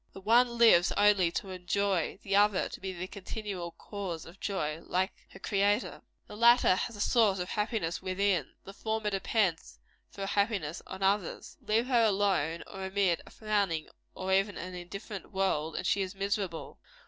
The one lives only to enjoy; the other, to be the continual cause of joy, like her Creator. The latter has a source of happiness within; the former depends for her happiness on others. Leave her alone, or amid a frowning or even an indifferent world, and she is miserable.